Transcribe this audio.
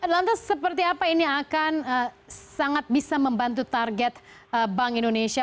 lantas seperti apa ini akan sangat bisa membantu target bank indonesia